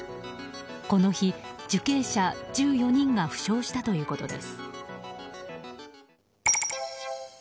この日、受刑者１４人が負傷したということです。